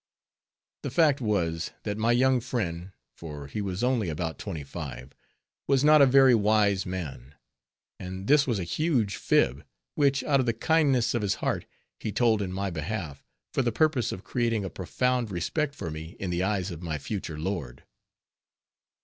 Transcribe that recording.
The fact was, that my young friend (for he was only about twenty five) was not a very wise man; and this was a huge fib, which out of the kindness of his heart, he told in my behalf, for the purpose of creating a profound respect for me in the eyes of my future lord.